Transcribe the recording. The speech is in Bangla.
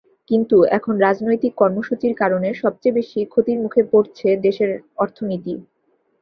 কিন্তু এখন রাজনৈতিক কর্মসূচির কারণে সবচেয়ে বেশি ক্ষতির মুখে পড়ছে দেশের অর্থনীতি।